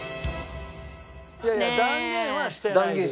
いやいや断言はしてないです。